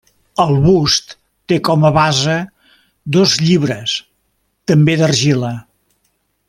El bust té com a base dos llibres, també d'argila.